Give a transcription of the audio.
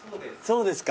そうです。